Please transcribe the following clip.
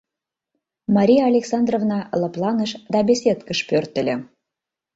Мария Александровна лыпланыш да беседкыш пӧртыльӧ.